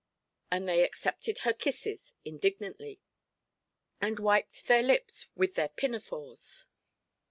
and they accepted her kisses indignantly, and wiped their lips with their pinafores.